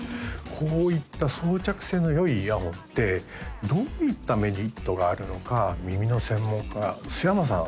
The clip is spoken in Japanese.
こういった装着性のよいイヤホンってどういったメリットがあるのか耳の専門家須山さん